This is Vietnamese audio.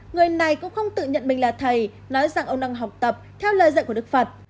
người này cũng không tự nhận mình là thầy nói rằng ông đang học tập theo lời dạy của đức phật